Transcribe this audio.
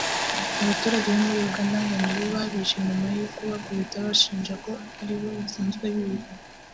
Abaturage bo muri Uganda ngo ni bo babishe nyuma yo kubakubita babashinja ko ari bo basanzwe babiba